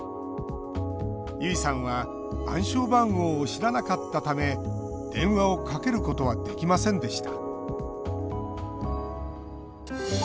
結衣さんは暗証番号を知らなかったため電話をかけることはできませんでした。